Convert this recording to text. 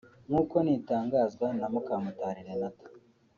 nk’uko nitangazwa na Mukamutari Renata